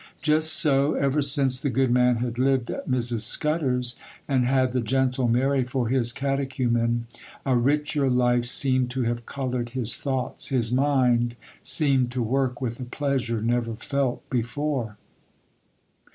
Just so, ever since the good man had lived at Mrs. Scudder's, and had the gentle Mary for his catechumen, a richer life seemed to have coloured his thoughts,—his mind seemed to work with a pleasure never felt before.